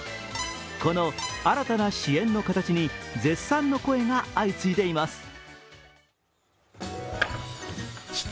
この新たな支援の形に絶賛の声が相次いでいます。